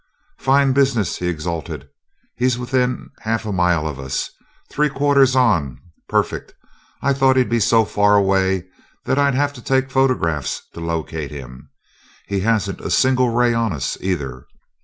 "Fine business!" he exulted. "He's within half a mile of us, three quarters on perfect! I thought he'd be so far away that I'd have to take photographs to locate him. He hasn't a single ray on us, either.